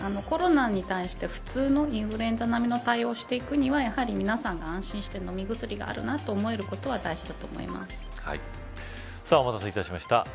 コロナに対して普通のインフルエンザ並みの対応をしていくにはやはり、皆さんが安心して飲み薬があるなと思えることはお待たせいたしました。